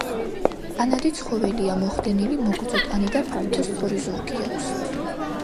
ტანადი ცხოველია, მოხდენილი, მოგრძო ტანი და ფართო სწორი ზურგი აქვს.